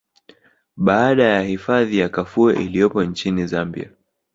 Baada ya hifadhi ya Kafue iliyopo nchini Zambia